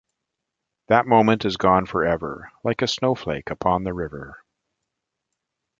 That moment is gone for ever, like a snowflake upon the river.